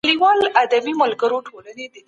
د ستونزي له پېژندلو پرته پلټنه مه پیلوئ.